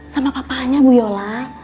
sama papahnya bu yola